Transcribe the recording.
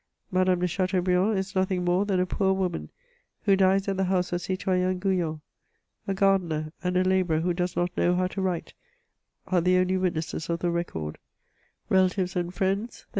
Madame de Chateaubriand is nothing more than a poor woman, who dies at the house of Citoyenne Gouyon ; a gar dener, and a labourer who does not know how to write, are the only witnesses of the record ; relatives and friends there \/ CHATEAUBRIAND.